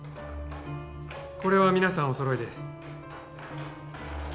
これは皆さんお揃いで。